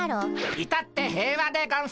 いたって平和でゴンス。